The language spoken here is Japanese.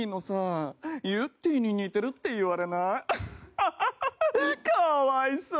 「アハハハハかわいそう！」。